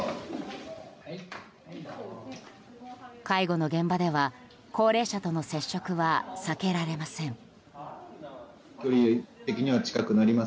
介護の現場では高齢者との接触は避けられません。